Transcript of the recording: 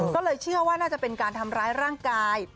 ก็เลยเชื่อว่าน่าจะเป็นการทำร้ายร่างกาย